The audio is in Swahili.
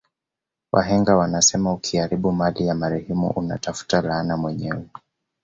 Wahenga wanasema ukiharibu mali ya marehemu una tafuta laana mwenyewe